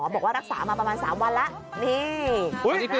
บอกว่ารักษามาประมาณ๓วันแล้วนี่